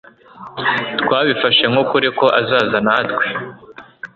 Twabifashe nkukuri ko azaza natwe